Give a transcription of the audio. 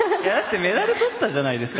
メダルとったじゃないですか！